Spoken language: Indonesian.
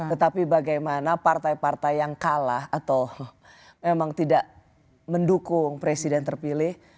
tetapi bagaimana partai partai yang kalah atau memang tidak mendukung presiden terpilih